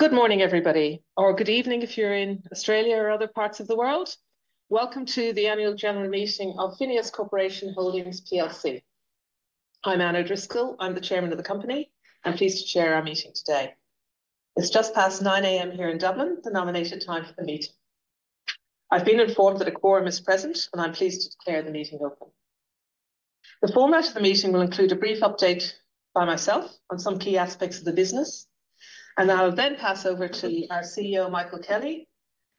Good morning, everybody, or good evening if you're in Australia or other parts of the world. Welcome to the annual general meeting of FINEOS Corporation Holdings PLC. I'm Anne O'Driscoll. I'm the chairman of the company. I'm pleased to chair our meeting today. It's just past 9:00 A.M. here in Dublin, the nominated time for the meeting. I've been informed that a quorum is present, and I'm pleased to declare the meeting open. The format of the meeting will include a brief update by myself on some key aspects of the business, and I will then pass over to our CEO, Michael Kelly,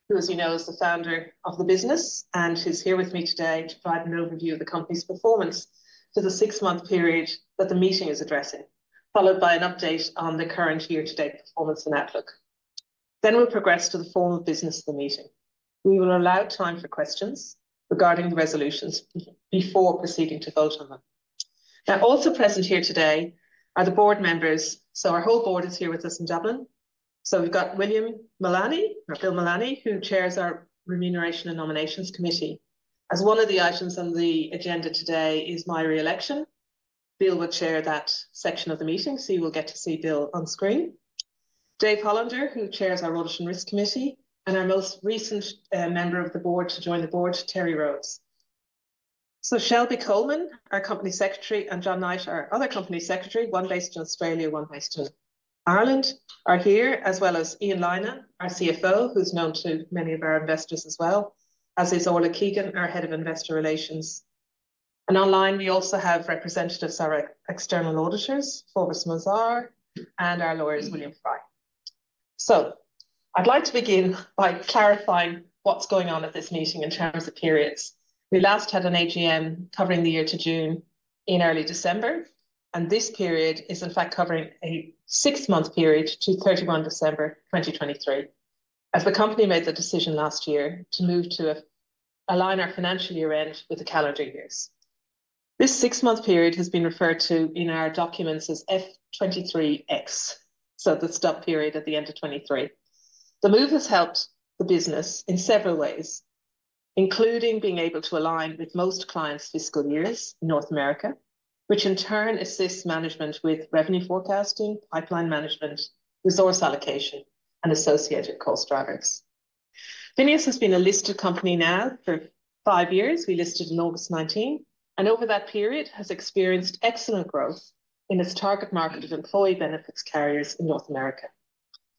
who, as you know, is the founder of the business and who's here with me today to provide an overview of the company's performance for the six-month period that the meeting is addressing, followed by an update on the current year-to-date performance and outlook. Then we'll progress to the formal business of the meeting. We will allow time for questions regarding the resolutions before proceeding to vote on them. Now, also present here today are the board members. So our whole board is here with us in Dublin. So we've got William Mullaney, or Bill Mullaney, who chairs our Remuneration and Nominations Committee. As one of the items on the agenda today is my re-election, Bill will chair that section of the meeting, so you will get to see Bill on screen. Dave Hollander, who chairs our Audit and Risk Committee, and our most recent member of the board to join the board, Terry Rhodes. Shelby Coleman, our company secretary, and John Knight, our other company secretary, one based in Australia, one based in Ireland, are here, as well as Ian Lynas, our CFO, who's known to many of our investors as well, as is Orla Keegan, our head of investor relations. Online, we also have representatives, our external auditors, Forbes Mazars, and our lawyers, William Fry. I'd like to begin by clarifying what's going on at this meeting in terms of periods. We last had an AGM covering the year to June in early December, and this period is, in fact, covering a six-month period to 31 December, 2023, as the company made the decision last year to move to align our financial year end with the calendar years. This six-month period has been referred to in our documents as F23X, so the stub period at the end of 2023. The move has helped the business in several ways, including being able to align with most clients' fiscal years in North America, which in turn assists management with revenue forecasting, pipeline management, resource allocation, and associated cost drivers. FINEOS has been a listed company now for five years. We listed in August 2019, and over that period, has experienced excellent growth in its target market of employee benefits carriers in North America.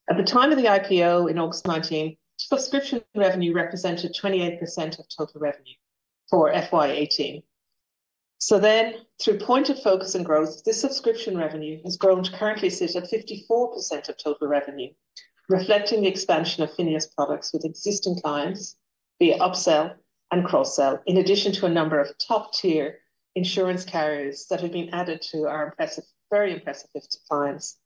At the time of the IPO in August 2019, subscription revenue represented 28% of total revenue for FY 18. So then, through point of focus and growth, this subscription revenue has grown to currently sit at 54% of total revenue, reflecting the expansion of FINEOS products with existing clients via upsell and cross-sell, in addition to a number of top-tier insurance carriers that have been added to our impressive... Very impressive list of clients,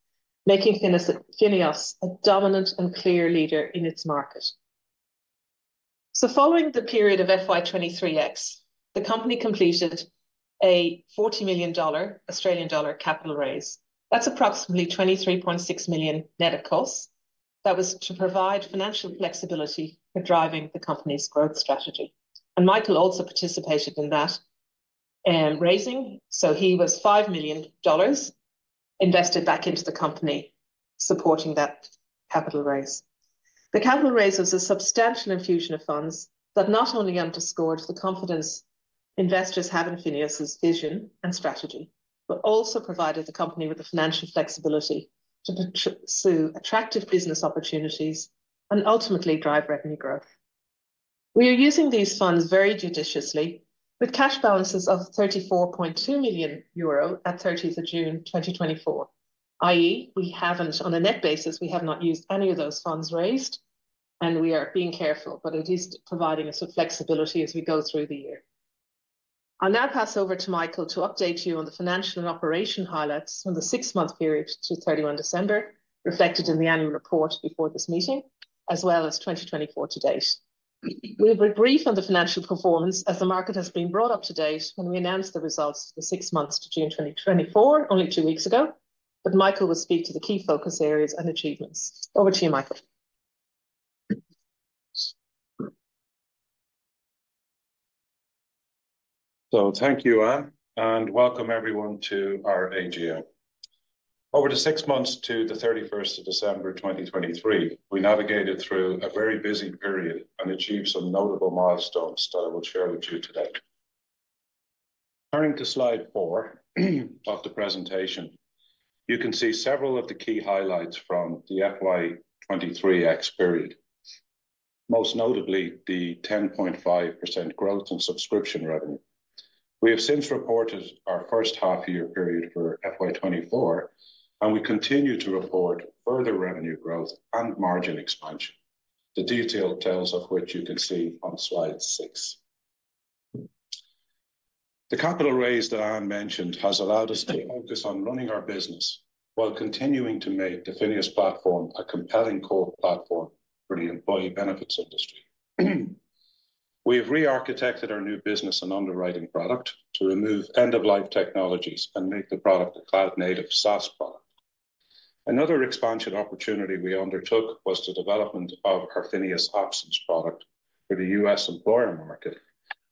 making FINEOS a dominant and clear leader in its market. Following the period of F23X, the company completed a 40 million Australian dollar capital raise. That's approximately 23.6 million net of costs. That was to provide financial flexibility for driving the company's growth strategy. Michael also participated in that raising, so he invested 5 million dollars back into the company, supporting that capital raise. The capital raise was a substantial infusion of funds that not only underscored the confidence investors have in FINEOS' vision and strategy, but also provided the company with the financial flexibility to pursue attractive business opportunities and ultimately drive revenue growth. We are using these funds very judiciously, with cash balances of 34.2 million euro at 30th of June, 2024, i.e., we haven't, on a net basis, we have not used any of those funds raised, and we are being careful, but it is providing us with flexibility as we go through the year. I'll now pass over to Michael to update you on the financial and operational highlights for the six-month period to 31 December, reflected in the annual report before this meeting, as well as 2024 to date. We'll be brief on the financial performance, as the market has been brought up to date when we announced the results for the six months to June 2024, only two weeks ago, but Michael will speak to the key focus areas and achievements. Over to you, Michael. So thank you, Anne, and welcome everyone to our AGM. Over the six months to the thirty-first of December 2023, we navigated through a very busy period and achieved some notable milestones that I will share with you today. Turning to slide four of the presentation, you can see several of the key highlights from the FY23X period, most notably the 10.5% growth in subscription revenue. We have since reported our first half-year period for FY24, and we continue to report further revenue growth and margin expansion. The detailed details of which you can see on slide six. The capital raise that Anne mentioned has allowed us to focus on running our business while continuing to make the FINEOS platform a compelling core platform for the employee benefits industry. We have rearchitected our new business and underwriting product to remove end-of-life technologies and make the product a cloud-native SaaS product. Another expansion opportunity we undertook was the development of our FINEOS Absence product for the U.S. employer market,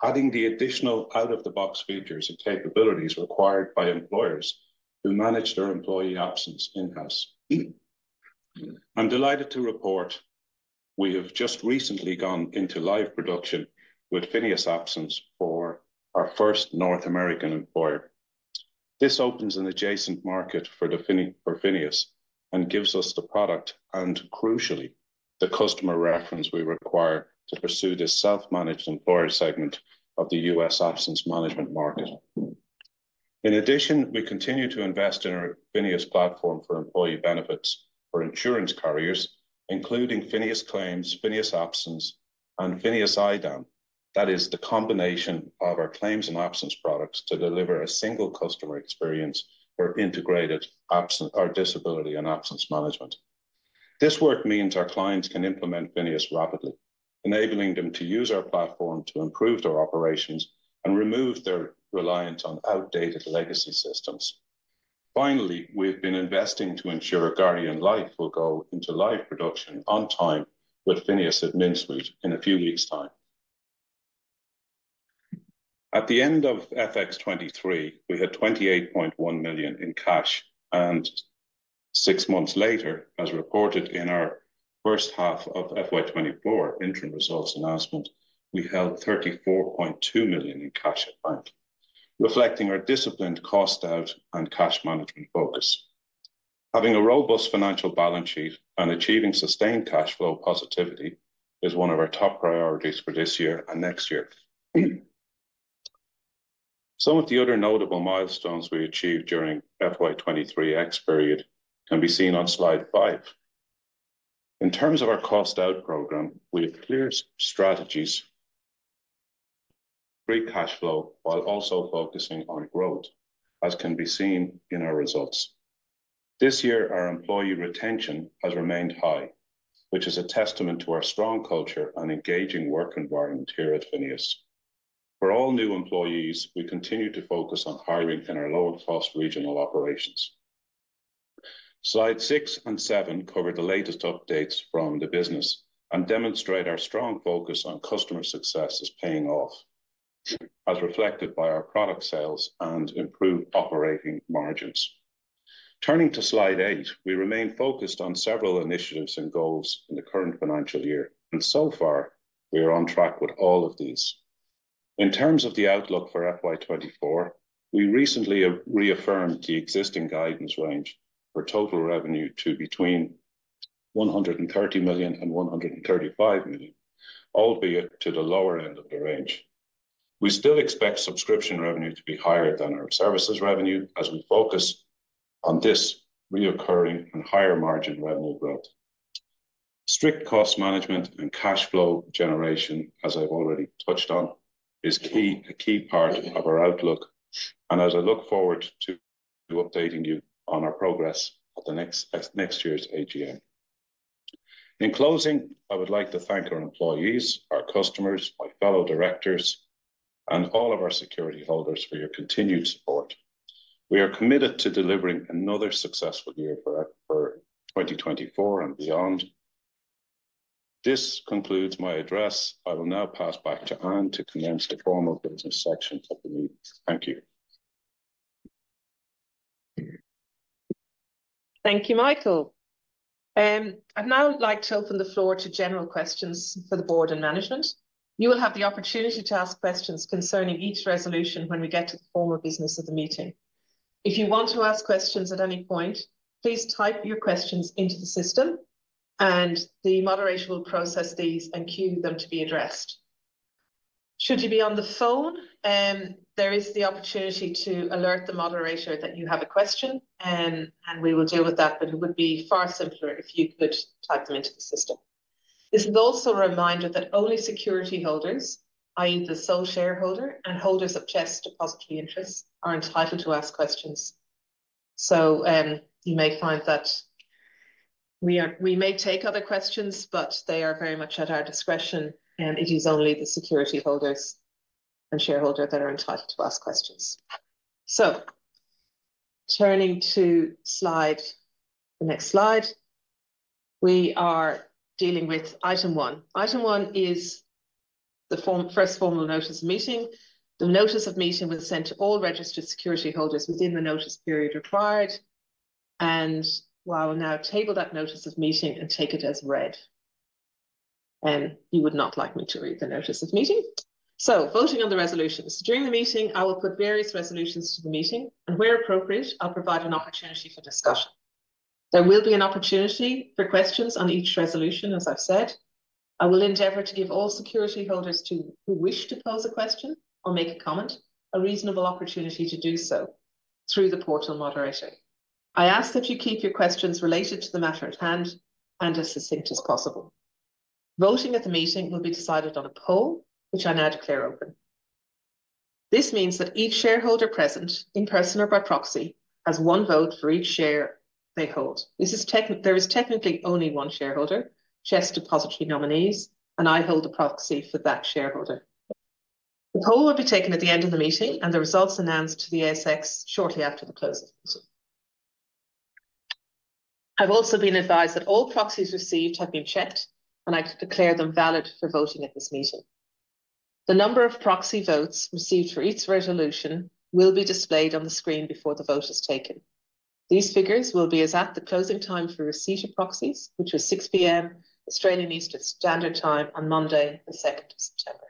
adding the additional out-of-the-box features and capabilities required by employers to manage their employee absence in-house. I'm delighted to report we have just recently gone into live production with FINEOS Absence for our first North American employer. This opens an adjacent market for FINEOS, and gives us the product, and crucially, the customer reference we require to pursue this self-managed employer segment of the U.S. absence management market. In addition, we continue to invest in our FINEOS platform for employee benefits for insurance carriers, including FINEOS Claims, FINEOS Absence, and FINEOS IDAM. That is the combination of our claims and absence products to deliver a single customer experience for integrated absence or disability and absence management. This work means our clients can implement FINEOS rapidly, enabling them to use our platform to improve their operations and remove their reliance on outdated legacy systems. Finally, we've been investing to ensure Guardian Life will go into live production on time with FINEOS AdminSuite in a few weeks' time. At the end of F23X, we had 28.1 million in cash, and six months later, as reported in our first half of FY24 interim results announcement, we held 34.2 million in cash at bank, reflecting our disciplined cost out and cash management focus. Having a robust financial balance sheet and achieving sustained cash flow positivity is one of our top priorities for this year and next year. Some of the other notable milestones we achieved during FY23X period can be seen on slide five. In terms of our cost out program, we have clear strategies, free cashflow, while also focusing on growth, as can be seen in our results. This year, our employee retention has remained high, which is a testament to our strong culture and engaging work environment here at FINEOS. For all new employees, we continue to focus on hiring in our lower-cost regional operations. Slide six and seven cover the latest updates from the business and demonstrate our strong focus on customer success is paying off, as reflected by our product sales and improved operating margins. Turning to slide eight, we remain focused on several initiatives and goals in the current financial year, and so far, we are on track with all of these. In terms of the outlook for FY 2024, we recently reaffirmed the existing guidance range for total revenue to between 130 million and 135 million, albeit to the lower end of the range. We still expect subscription revenue to be higher than our services revenue as we focus on this recurring and higher margin revenue growth. Strict cost management and cash flow generation, as I've already touched on, is a key part of our outlook, and as I look forward to updating you on our progress at the next year's AGM. In closing, I would like to thank our employees, our customers, my fellow directors, and all of our security holders for your continued support. We are committed to delivering another successful year for 2024 and beyond. This concludes my address. I will now pass back to Anne to commence the formal business section of the meeting. Thank you. Thank you, Michael. I'd now like to open the floor to general questions for the board and management. You will have the opportunity to ask questions concerning each resolution when we get to the formal business of the meeting. If you want to ask questions at any point, please type your questions into the system, and the moderator will process these and queue them to be addressed. Should you be on the phone, there is the opportunity to alert the moderator that you have a question, and we will deal with that, but it would be far simpler if you could type them into the system. This is also a reminder that only security holders, i.e. the sole shareholder and holders of CHESS depository interests, are entitled to ask questions. So, you may find that we are... We may take other questions, but they are very much at our discretion, and it is only the security holders and shareholder that are entitled to ask questions. So turning to slide, the next slide, we are dealing with item one. Item one is the first formal notice of meeting. The notice of meeting was sent to all registered security holders within the notice period required, and I will now table that notice of meeting and take it as read. And you would not like me to read the notice of meeting? So voting on the resolutions. During the meeting, I will put various resolutions to the meeting, and where appropriate, I'll provide an opportunity for discussion. There will be an opportunity for questions on each resolution, as I've said. I will endeavor to give all security holders who wish to pose a question or make a comment, a reasonable opportunity to do so through the portal moderator. I ask that you keep your questions related to the matter at hand and as succinct as possible. Voting at the meeting will be decided on a poll, which I now declare open. This means that each shareholder present, in person or by proxy, has one vote for each share they hold. There is technically only one shareholder, CHESS Depository Nominees, and I hold the proxy for that shareholder. The poll will be taken at the end of the meeting, and the results announced to the ASX shortly after the close of the meeting. I've also been advised that all proxies received have been checked, and I declare them valid for voting at this meeting. The number of proxy votes received for each resolution will be displayed on the screen before the vote is taken. These figures will be as at the closing time for receipt of proxies, which was 6:00 P.M. Australian Eastern Standard Time on Monday, the 2nd of September.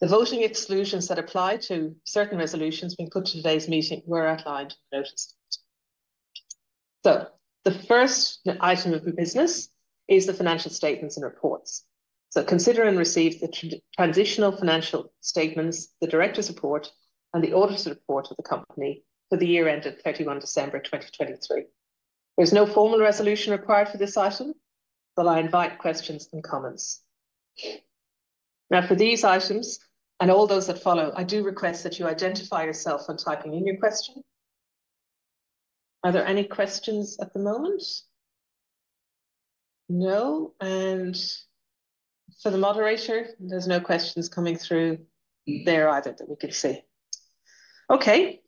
The voting exclusions that apply to certain resolutions being put to today's meeting were outlined in the notice, so the first item of the business is the financial statements and reports, so consider and receive the transitional financial statements, the director's report, and the auditor's report of the company for the year ended 31 December, 2023. There's no formal resolution required for this item, but I invite questions and comments. Now, for these items and all those that follow, I do request that you identify yourself when typing in your question. Are there any questions at the moment? No, and for the moderator, there's no questions coming through there either that we can see. Okay,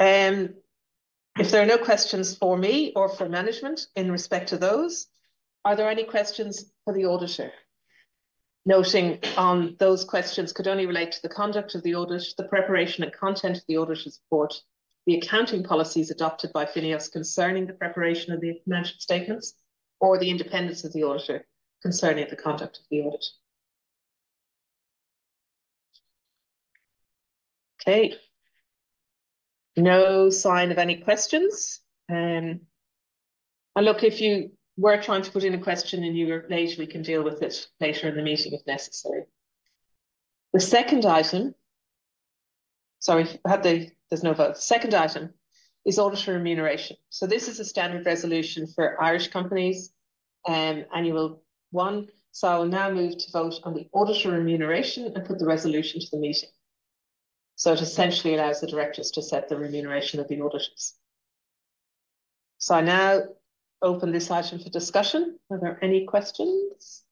if there are no questions for me or for management in respect to those, are there any questions for the auditor? Noting, those questions could only relate to the conduct of the audit, the preparation and content of the auditor's report, the accounting policies adopted by FINEOS concerning the preparation of the financial statements, or the independence of the auditor concerning the conduct of the audit. Okay. No sign of any questions. And look, if you were trying to put in a question and you were late, we can deal with it later in the meeting, if necessary. The second item... Sorry, I had the-- there's no vote. Second item is auditor remuneration. So this is a standard resolution for Irish companies, annual one. So I will now move to vote on the auditor remuneration and put the resolution to the meeting. So it essentially allows the directors to set the remuneration of the auditors. So I now open this item for discussion. Are there any questions?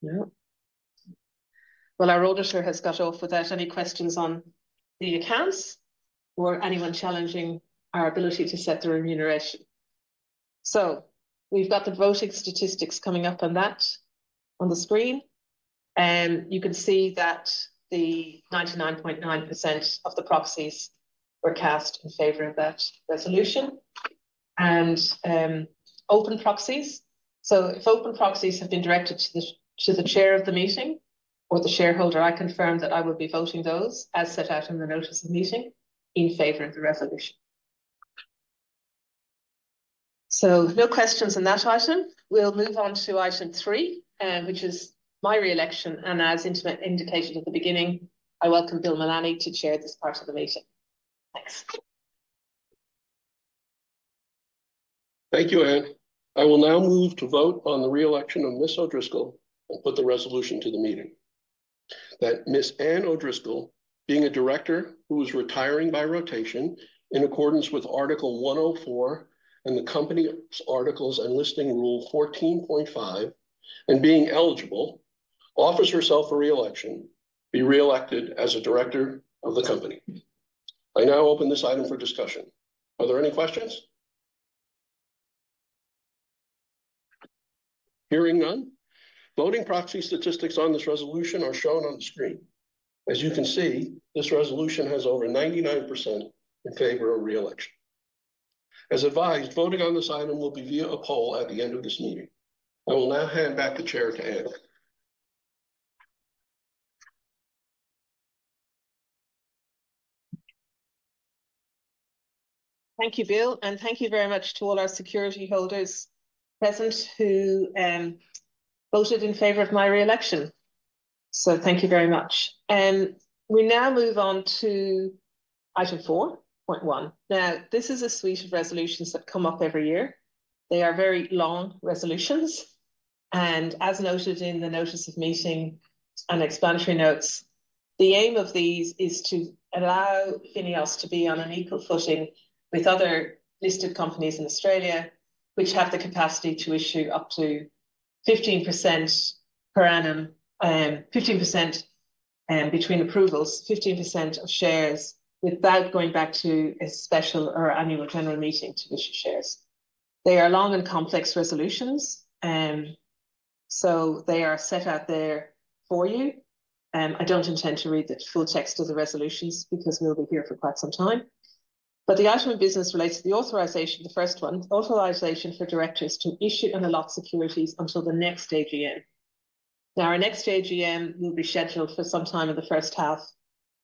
No. Well, our auditor has got off without any questions on the accounts or anyone challenging our ability to set the remuneration. So we've got the voting statistics coming up on that on the screen. You can see that the 99.9% of the proxies were cast in favor of that resolution. And open proxies. So if open proxies have been directed to the chair of the meeting or the shareholder, I confirm that I will be voting those, as set out in the notice of the meeting, in favor of the resolution. So no questions on that item. We'll move on to item three, which is my re-election, and as I indicated at the beginning, I welcome Bill Mullaney to chair this part of the meeting. Thanks. Thank you, Anne. I will now move to vote on the re-election of Ms. O'Driscoll and put the resolution to the meeting. That Ms. Anne O'Driscoll, being a director who is retiring by rotation in accordance with Article 104 in the company's articles and Listing Rule 14.5, and being eligible, offers herself for re-election, be re-elected as a director of the company. I now open this item for discussion. Are there any questions? Hearing none, voting proxy statistics on this resolution are shown on the screen. As you can see, this resolution has over 99% in favor of re-election. As advised, voting on this item will be via a poll at the end of this meeting. I will now hand back the chair to Anne. Thank you, Bill, and thank you very much to all our security holders present who, voted in favor of my re-election. So thank you very much. We now move on to item four point one. Now, this is a suite of resolutions that come up every year. They are very long resolutions, and as noted in the notice of meeting and explanatory notes, the aim of these is to allow FINEOS to be on an equal footing with other listed companies in Australia, which have the capacity to issue up to 15% per annum, 15%, between approvals, 15% of shares, without going back to a special or annual general meeting to issue shares. They are long and complex resolutions, so they are set out there for you. I don't intend to read the full text of the resolutions because we'll be here for quite some time. But the item of business relates to the authorization, the first one, authorization for directors to issue and allot securities until the next AGM. Now, our next AGM will be scheduled for some time in the first half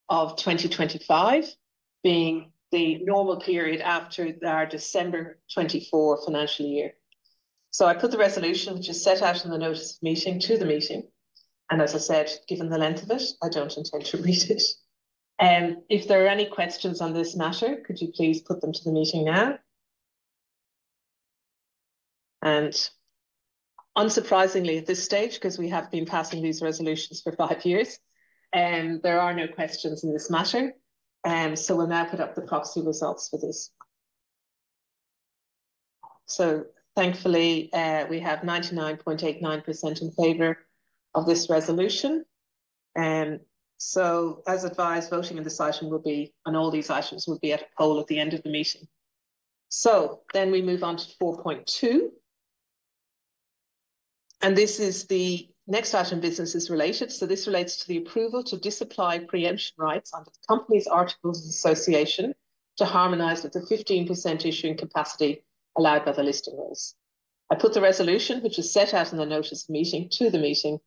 of 2025, being the normal period after our December 2024 Financial Year. So I put the resolution, which is set out in the notice of meeting, to the meeting, and as I said, given the length of it, I don't intend to read it. If there are any questions on this matter, could you please put them to the meeting now? And unsurprisingly, at this stage, 'cause we have been passing these resolutions for five years, there are no questions in this matter. So we'll now put up the proxy results for this. So thankfully, we have 99.89% in favor of this resolution. And so, as advised, voting on this item, on all these items, will be a poll at the end of the meeting. So then we move on to 4.2, and this is the next item of business is related. So this relates to the approval to disapply preemption rights under the company's articles of association to harmonize with the 15% issuing capacity allowed by the listing rules. I put the resolution, which is set out in the notice of meeting, to the meeting,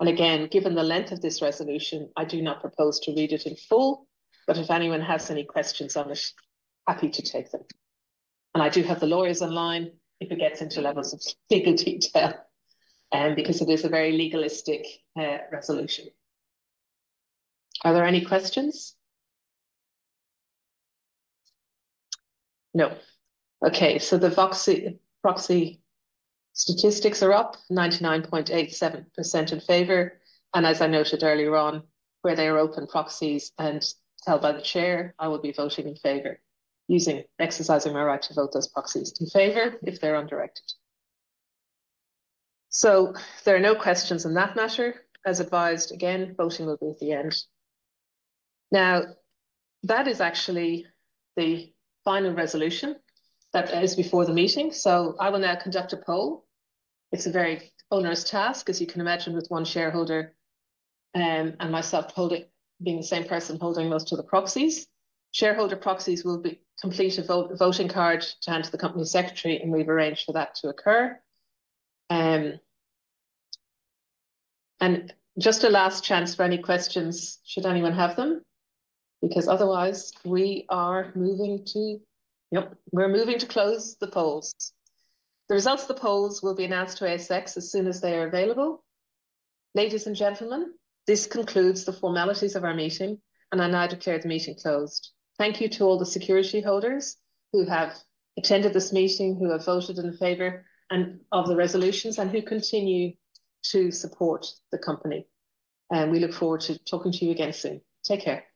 and again, given the length of this resolution, I do not propose to read it in full, but if anyone has any questions, I'm happy to take them. And I do have the lawyers online if it gets into levels of bigger detail, because it is a very legalistic resolution. Are there any questions? No. Okay, so the proxy statistics are up 99.87% in favor, and as I noted earlier on, where they are open proxies and held by the chair, I will be voting in favor, using, exercising my right to vote those proxies in favor if they're undirected. So there are no questions on that matter. As advised, again, voting will be at the end. Now, that is actually the final resolution that is before the meeting, so I will now conduct a poll. It's a very onerous task, as you can imagine, with one shareholder, and myself holding being the same person holding most of the proxies. Shareholder proxies will complete a vote, voting card to hand to the company secretary, and we've arranged for that to occur. And just a last chance for any questions, should anyone have them, because otherwise we are moving to... Yep, we're moving to close the polls. The results of the polls will be announced to ASX as soon as they are available. Ladies and gentlemen, this concludes the formalities of our meeting, and I now declare the meeting closed. Thank you to all the security holders who have attended this meeting, who have voted in favor of the resolutions, and who continue to support the company. We look forward to talking to you again soon. Take care.